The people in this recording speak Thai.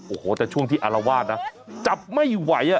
โอ้โหแต่ช่วงที่อารวาสนะจับไม่ไหวอ่ะ